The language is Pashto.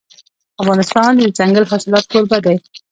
افغانستان د دځنګل حاصلات کوربه دی.